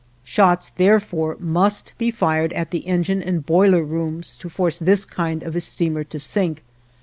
Shots therefore must be fired at the engine and boiler rooms to force this kind of a steamer to sink.